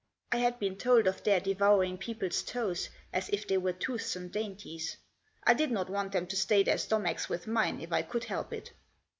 I had been told of their devouring people's toes as if they were toothsome dainties. I did not want them to stay their stomachs with mine if I could help it.